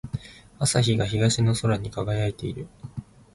朝日が東の空に輝いている。